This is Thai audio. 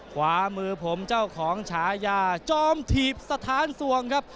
ขวามือผมเจ้าของฉายาจอมถีบสถานสวงครับ